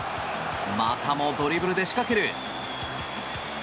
またもドリブルで仕掛ける。